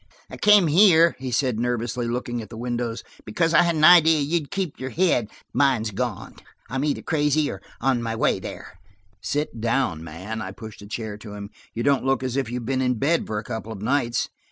"I came here," he said nervously, looking at the windows, "because I had an idea you'd keep your head. Mine's gone; I'm either crazy, or I'm on my way there." "Sit down, man," I pushed a chair to him. "You don't look as if you have been in bed for a couple of nights."